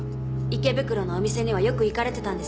池袋のお店にはよく行かれてたんですか？